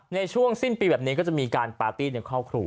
ในช่วงสิ้นปีแบบนี้ก็จะมีการปาร์ตี้ในครอบครัว